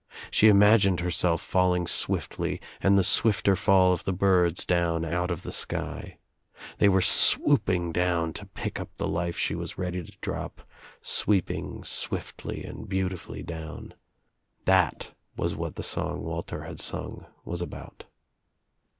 She imagined her self falling swiftly and the swifter fall of the birds down out of the sky. They were swooping down to pick up the life she was ready to drop, sweeping swiftly and beautifully down. That was what the song Wal ter had sung was about.